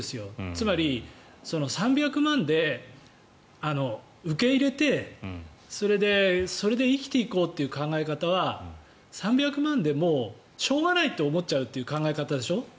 つまり３００万で受け入れてそれで生きていこうという考え方は３００万円でもうしょうがないと思っちゃうという考え方でしょ。